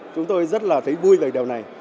chúng tôi rất là thấy vui về điều này